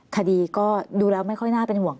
คดีก็ดูแล้วไม่ค่อยน่าเป็นห่วง